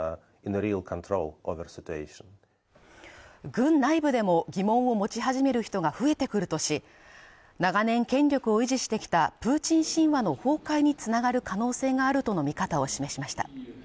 軍内部でも疑問を持ち始める人が増えてくるとし、長年権力を維持してきたプーチン神話の崩壊に繋がる可能性があるとの見方を示しました。